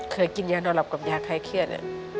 เคยกินยาโนรับกับยาไขเครียด